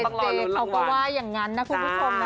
เจเขาก็ว่าอย่างนั้นนะคุณผู้ชมนะ